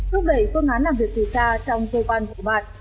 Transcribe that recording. thúc đẩy côn án làm việc từ xa trong cơ quan phổ bạt